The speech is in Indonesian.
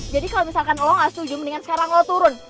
kalau misalkan lo gak setuju mendingan sekarang lo turun